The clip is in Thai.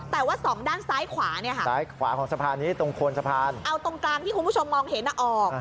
แต่ว่า๒ด้านซ้ายขวาเอาตรงกลางที่คุณผู้ชมมองเห็นออก